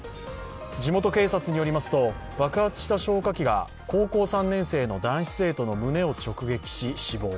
地元警察によりますと爆発した消火器が、高校３年生の男子生徒の胸を直撃し死亡。